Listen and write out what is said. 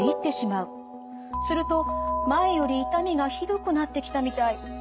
すると前より痛みがひどくなってきたみたい。